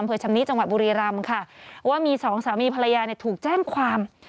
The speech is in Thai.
ชำนี้จังหวัดบุรีรำค่ะว่ามีสองสามีภรรยาเนี่ยถูกแจ้งความ